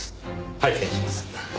拝見します。